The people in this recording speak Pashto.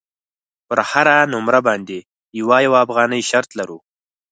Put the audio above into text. پر هره نمره باندې یوه یوه افغانۍ شرط لرو.